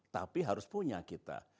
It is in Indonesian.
tapi harus punya kita